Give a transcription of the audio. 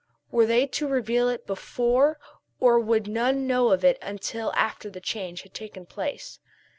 Were they to reveal it before, or would none know of it until after the change had taken place?